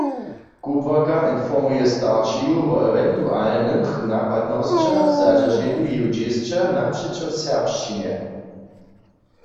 Kubłarka informuje staršeju wo ewentualnych napadnosćach w zadźerženju jeju dźěsća napřećo serbšćinje.